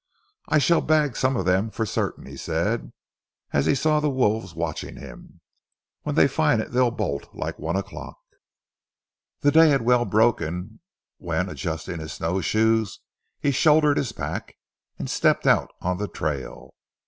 "I shall bag some of them for certain," he said, as he saw the wolves watching him. "When they find it they'll bolt it like one o'clock." The day had well broken when, adjusting his snowshoes, he shouldered his pack, and stepped out on the trail.